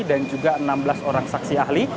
dan juga enam belas orang saksi ahli